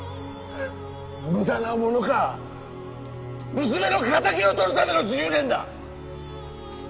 無駄なものか娘の仇をとるための１０年だ！